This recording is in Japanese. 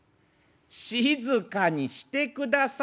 静かにしてください。